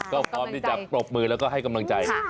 ก็พร้อมที่จะปรบมือแล้วก็ให้กำลังใจ